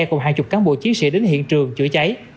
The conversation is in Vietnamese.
cùng hàng chục cán bộ chiến sĩ đến hiện trường chữa cháy